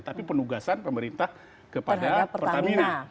tapi penugasan pemerintah kepada pertamina